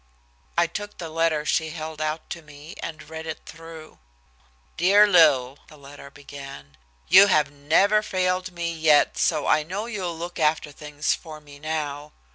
I took the letter she held out to me, and read it through. "Dear Lil," the letter began. "You have never failed me yet, so I know you'll look after things for me now.